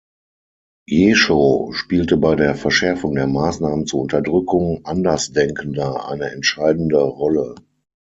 Jeschow spielte bei der Verschärfung der Maßnahmen zur Unterdrückung Andersdenkender eine entscheidende Rolle.